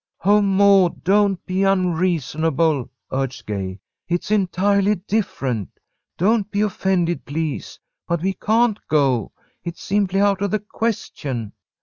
"Oh, Maud, don't be unreasonable," urged Gay. "It's entirely different. Don't be offended, please, but we can't go. It's simply out of the question."